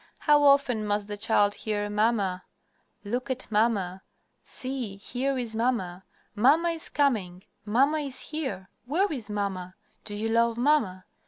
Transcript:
How often must the child hear "Mamma," "Look at mamma," "See, here is mamma," "Mamma is coming," "Mamma is here," "Where is mamma?" "Do you love mamma?"